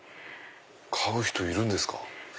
買う人いるんですか？